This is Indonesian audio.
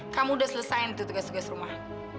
kamu udah selesain tuh tugas tugas rumah